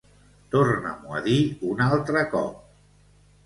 Torna-m'ho a dir un altre cop.